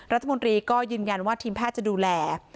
รัฐมนตรีก็ยืนยันว่าทีมแพทย์จะดูแล